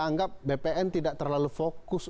anggap bpn tidak terlalu fokus